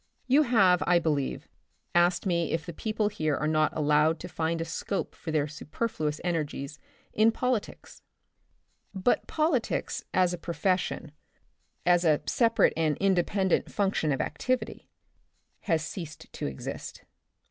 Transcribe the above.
You have, I believe, asked me if the people here are not allowed to find a scope for their superfluous energies in politics. But politics, as a profession, as a separate and independent function of activity, has ceased to exist.